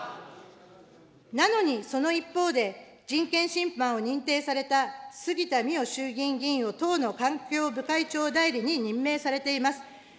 なのに、その一方で、人権侵犯を認定された杉田水脈衆議院議員を党の環境部会長代理に任命されています。